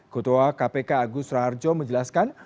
ketua kpk agus raharjo menjelaskan